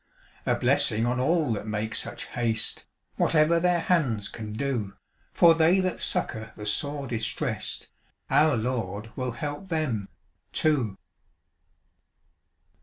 A blessing on all that make such haste, Whatever their hands can do! For they that succour the sore distressed, Our Lord will help them too.